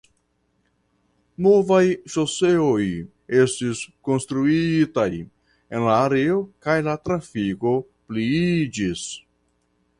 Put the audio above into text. Novaj ŝoseoj estis konstruitaj en la areo kaj la trafiko pliiĝis.